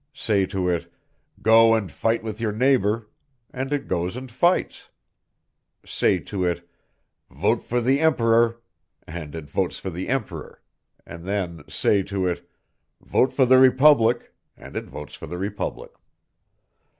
Say to it: "Go and fight with your neighbor," and it goes and fights. Say to it: "Vote for the Emperor," and it votes for the Emperor, and then say to it: "Vote for the Republic," and it votes for the Republic.